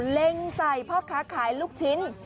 เล็งใส่พ่อค้าขายลูกชิ้น